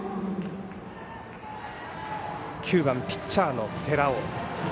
９番ピッチャーの寺尾。